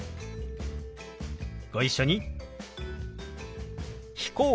ご一緒に。